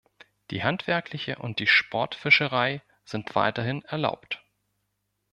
Die handwerkliche und die Sportfischerei sind weiterhin erlaubt.